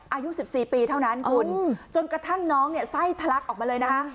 อายุ๑๔ปีเท่านั้นคุณจนกระทั่งน้องเนี่ยไส้ทะลักออกมาเลยนะคะ